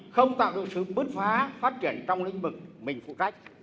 không tạo được sự bứt phá phát triển trong lĩnh vực mình phụ trách